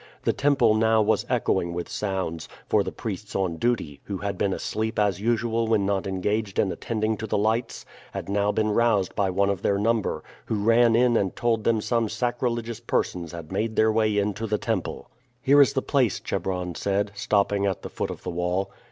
The temple now was echoing with sounds, for the priests on duty, who had been asleep as usual when not engaged in attending to the lights, had now been roused by one of their number, who ran in and told them some sacrilegious persons had made their way into the temple. "Here is the place," Chebron said, stopping at the foot of the wall.